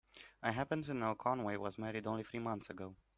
I happen to know Conway was married only three months ago.